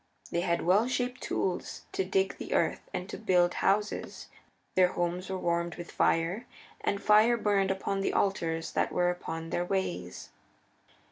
They had well shaped tools to dig the earth and to build houses. Their homes were warmed with fire, and fire burned upon the altars that were upon their ways.